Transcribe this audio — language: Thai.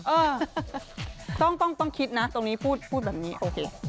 เออต้องคิดนะตรงนี้พูดแบบนี้โอเค